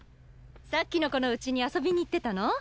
さっきの子のうちに遊びに行ってたの？